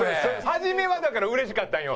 初めはだからうれしかったんよ。